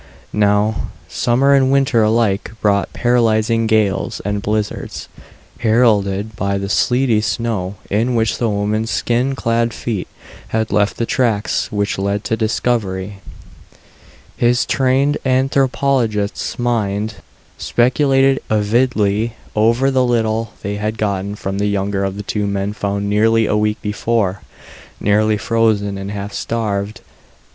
Now, summer and winter alike brought paralyzing gales and blizzards, heralded by the sleety snow in which the woman's skin clad feet had left the tracks which led to discovery. His trained anthropologist's mind speculated avidly over the little they had gotten from the younger of the two men found nearly a week before, nearly frozen and half starved.